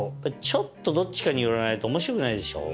ちょっとどっちかに寄らないと面白くないでしょ。